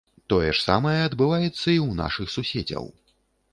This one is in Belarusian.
Тое ж самае адбываецца і ў нашых суседзяў.